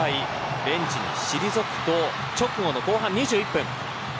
ベンチに退くと直後の後半２１分。